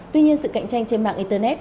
tuy nhiên sự cạnh tranh trên mạng internet